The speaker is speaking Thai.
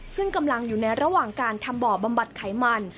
ซึ่งกำลังอยู่ในระหว่างการทำบ่อบำบัดไขมัน